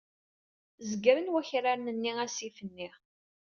Zegren wakraren-nni asif-nni.